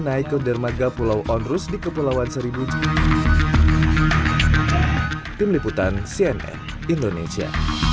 naik ke dermaga pulau onrus di kepulauan seribu tim liputan cnn indonesia